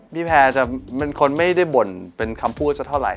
พี่แพรจะเป็นคนไม่ได้บ่นเป็นคำพูดสักเท่าไหร